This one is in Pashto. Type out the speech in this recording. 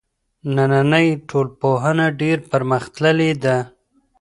نننۍ ټولنپوهنه ډېره پرمختللې ده.